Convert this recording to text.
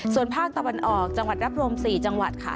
ส่วนภาคตะวันออกจังหวัดรับรวม๔จังหวัดค่ะ